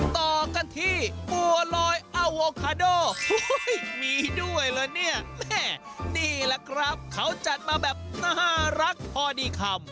ต่อกันที่บัวลอยอโวคาโดมีด้วยเหรอเนี่ยแม่นี่แหละครับเขาจัดมาแบบน่ารักพอดีคำ